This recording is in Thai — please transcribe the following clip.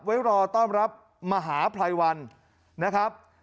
ไว้รอต้อนรับมหาภัยวันนะครับ